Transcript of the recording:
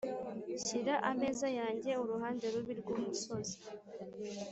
shira ameza yanjye uruhande rubi rwumusozi